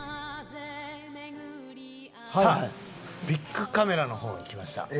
ビックカメラの方に来ました。